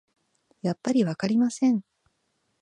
やっぱりわかりません